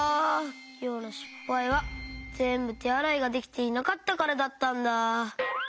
きょうのしっぱいはぜんぶてあらいができていなかったからだったんだ。